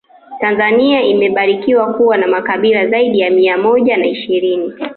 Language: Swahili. tanzania imebarikiwa kuwa na makabila zaidi ya mia moja na ishirini